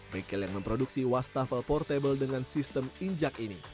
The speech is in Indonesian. bekel yang memproduksi wastafel portable dengan sistem injak ini